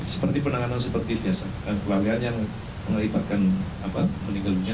seperti penanganan seperti biasa kelahiran yang mengalibatkan meninggal dunia